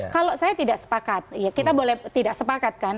kalau saya tidak sepakat ya kita boleh tidak sepakat kan